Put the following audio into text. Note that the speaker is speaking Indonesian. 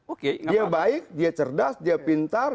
oke dia baik dia cerdas dia pintar